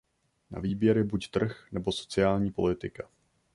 Na výběr je buď trh, nebo sociální politika.